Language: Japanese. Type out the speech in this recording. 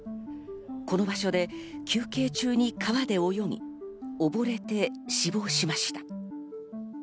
この場所で休憩中に川で泳ぎ、おぼれて死亡しました。